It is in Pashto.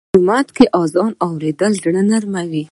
په جومات کې اذان اورېدل زړه نرموي.